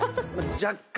若干。